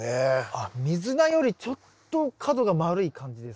あっミズナよりちょっと角が丸い感じです。